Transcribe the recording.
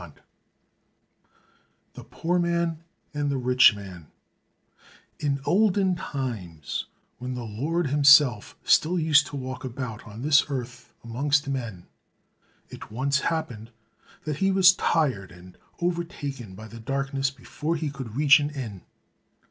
87 The Poor Man and the Rich Man In olden times, when the Lord himself still used to walk about on this earth amongst men, it once happened that he was tired and overtaken by the darkness before he could reach an inn.